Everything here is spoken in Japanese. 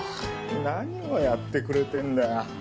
何をやってくれてんだよ。